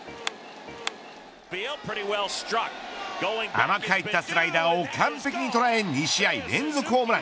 甘く入ったスライダーを完璧に捉え２試合連続ホーム。